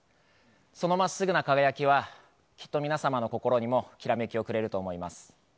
そのまっすぐな輝きは、きっと皆様の心にもきらめきをくれると思います。